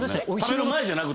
食べる前じゃなく。